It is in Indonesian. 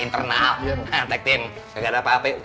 lu ngerasa apa bibir gua